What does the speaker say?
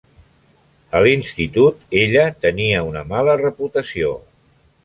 "A l'institut ella tenia una mala reputació."